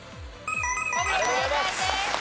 正解です。